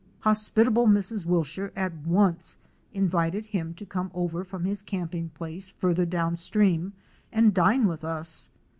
Hospitable Mrs. Wilshire at once invited him to come over from his camping place farther downstream and dine with us.